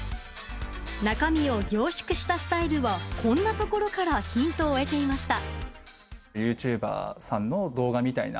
中身を凝縮したスタイルはこんなところからヒントを得ていました。